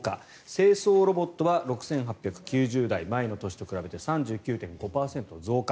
清掃ロボットは６８９０台前の年と比べて３９．５％増加。